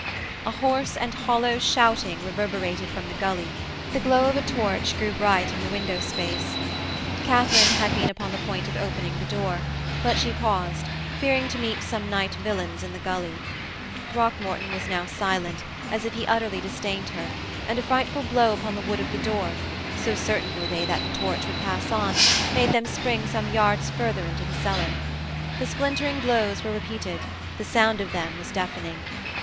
A hoarse and hollow shouting reverberated from the gully; the glow of a torch grew bright in the window space. Katharine had been upon the point of opening the door, but she paused, fearing to meet some night villains in the gully. Throckmorton was now silent, as if he utterly disdained her, and a frightful blow upon the wood of the door so certain were they that the torch would pass on made them spring some yards further into the cellar. The splintering blows were repeated; the sound of them was deafening.